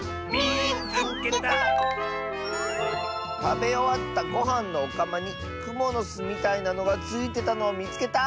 「たべおわったごはんのおかまにくものすみたいなのがついてたのをみつけた！」。